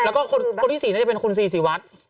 แล้วก็คนที่๔น่าจะเป็นคุณซีซีวัด